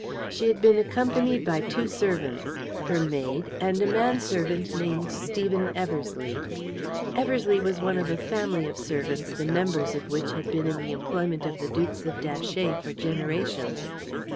She had been accompanied by two servants, her maid, and a man servant named Stephen Eversleigh. Eversleigh was one of a family of servants the members of which had been in the employment of the Dukes of Datchet for generations.